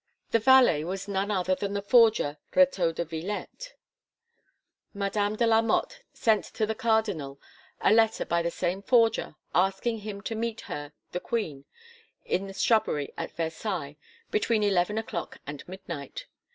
The valet was none other than the forger Retaux de Vilette. Madame de la Motte sent to the Cardinal a letter by the same forger asking him to meet her (the queen) in the shrubbery at Versailles between eleven o'clock and midnight.